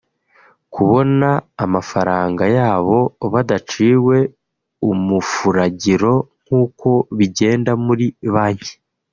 kubona amafaranga yabo badaciwe umufuragiro nk’uko bigenda muri Banki